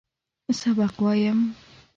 سبق وایم.